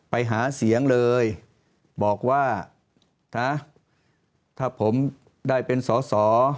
ไปหาเสียงเลยบอกว่านะถ้าผมได้เป็นสอสอ